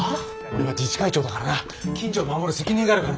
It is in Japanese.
俺は自治会長だからな近所を守る責任があるからな。